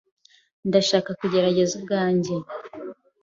Ndashaka kugerageza ubwanjye.